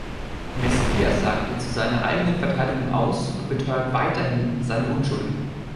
Mezquia sagte zu seiner eigenen Verteidigung aus und beteuert weiterhin seine Unschuld.